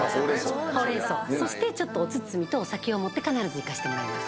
そしてちょっとお包みとお酒を持って必ず行かせてもらいます。